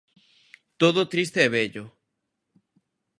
Todo triste e vello.